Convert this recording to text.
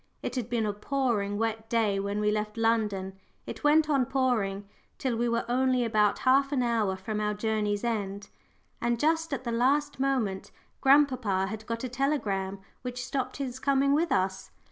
It had been a pouring wet day when we left London (it went on pouring till we were only about half an hour from our journey's end); and just at the last moment grandpapa had got a telegram which stopped his coming with us.